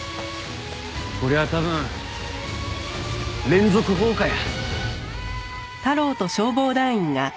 こりゃ多分連続放火や。